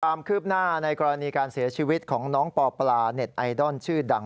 ความคืบหน้าในกรณีการเสียชีวิตของน้องปอปลาเน็ตไอดอลชื่อดัง